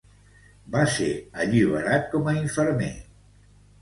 Va ser alliberat com a infermer.